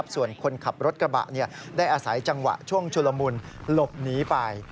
ส่วนคนขับรถกระบะได้อาศัยจังหวะช่วงชุลมุนหลบหนีไป